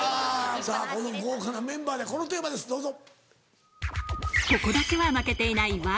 さぁこの豪華なメンバーでこのテーマですどうぞ。